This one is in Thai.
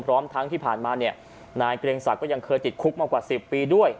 พร้อมทั้งที่ผ่านมาเนี่ยนายเกรงศักดิ์ก็ยังเคยติดคุกมากว่า๑๐ปีด้วย